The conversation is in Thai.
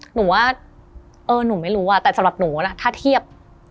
หนูว่าเออหนูไม่รู้อ่ะแต่สำหรับหนูนะถ้าเทียบ